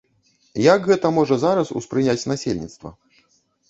Як гэта можа зараз успрыняць насельніцтва?